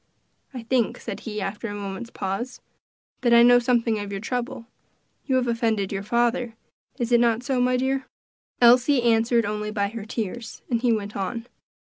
"I think," said he, after a moment's pause, "that I know something of your trouble; you have offended your father; is it not so, my dear?" Elsie answered only by her tears, and he went on.